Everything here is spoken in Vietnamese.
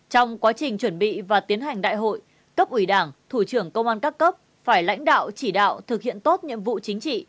trong quá trình chuẩn bị và tiến hành đại hội cấp ủy đảng thủ trưởng công an các cấp phải lãnh đạo chỉ đạo thực hiện tốt nhiệm vụ chính trị